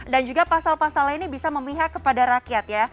dan juga pasal pasal ini bisa memihak kepada rakyat ya